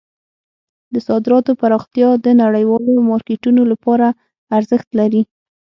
د صادراتو پراختیا د نړیوالو مارکیټونو لپاره ارزښت لري.